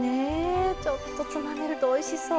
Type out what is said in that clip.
ちょっとつまめるとおいしそう。